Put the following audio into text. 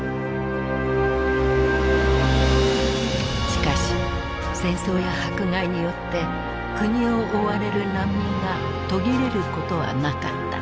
しかし戦争や迫害によって国を追われる難民が途切れることはなかった。